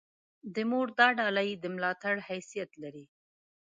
د مور دا ډالۍ د ملاتړ حیثیت لري.